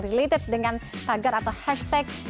related dengan tagar atau hashtag